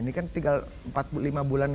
ini kan tinggal empat lima bulan